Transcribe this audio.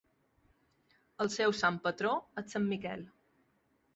El seu sant patró és Sant Miquel.